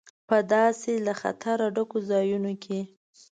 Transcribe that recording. په داسې له خطره ډکو ځایونو کې.